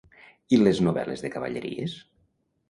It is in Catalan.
I les novel·les de cavalleries?